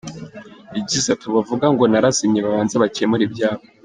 Yagize ati “Abo bavuga ngo narazimye babanze bakemure ibyabo.